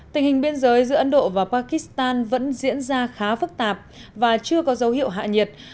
tình hình biên giới giữa ấn độ và pakistan vẫn diễn ra khá phức tạp và chưa có dấu hiệu hạ nhiệt